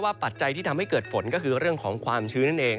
ปัจจัยที่ทำให้เกิดฝนก็คือเรื่องของความชื้นนั่นเอง